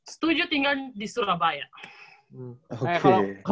setuju tinggal di surabaya